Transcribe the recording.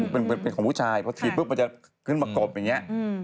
เป็นของผู้ชายพอถีบปุ๊บมันจะขึ้นมากบอย่างนี้